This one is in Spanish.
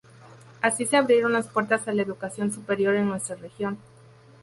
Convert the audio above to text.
Así se abrieron las puertas a la educación superior en nuestra región.